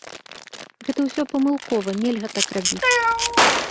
Гэта ўсё памылкова, нельга так рабіць.